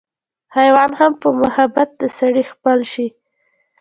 حېوان هم پۀ محبت د سړي خپل شي